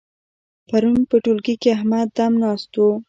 پرون په ټولګي کې احمد دم ناست وو.